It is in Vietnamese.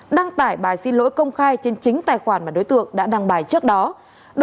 đăng tải bài xin lỗi công khai trên chính tài khoản mà đối tượng đã đăng bài trước đó